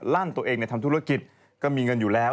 ลั่นตัวเองในทำธุรกิจก็มีเงินอยู่แล้ว